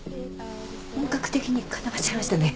本格的に固まっちゃいましたね。